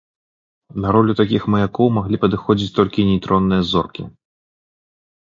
На ролю такіх маякоў маглі падыходзіць толькі нейтронныя зоркі.